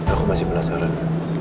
aku masih penasaran